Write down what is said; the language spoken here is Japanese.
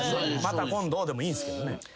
また今度でもいいんすけどね。